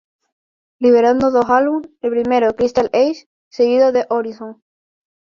Liberando dos álbum, el primero ""Crystal Eyes"", seguido de "Horizon".